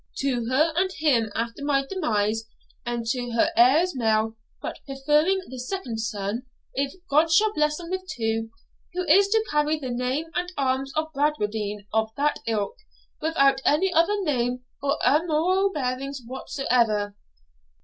'To her and him, after my demise, and to their heirs male, but preferring the second son, if God shall bless them with two, who is to carry the name and arms of Bradwardine of that ilk, without any other name or armorial bearings whatsoever.'